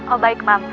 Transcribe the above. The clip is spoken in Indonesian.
oh baik ma